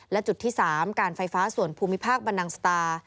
และจุดที่๓การไฟฟ้าส่วนภูมิภาคบรรนังสตา